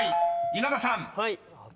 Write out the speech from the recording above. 稲田さん］